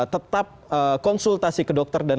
tetap konsultasi ke dokter dan